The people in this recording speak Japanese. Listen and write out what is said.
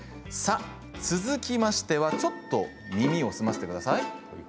続きましてはちょっと耳を澄ませてください。